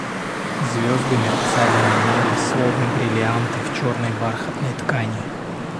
Звезды мерцали на небе, словно бриллианты в черной бархатной ткани.